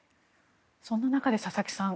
そんな中で佐々木さん